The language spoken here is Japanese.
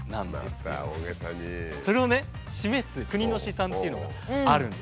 それを示す国の試算っていうのがあるんです。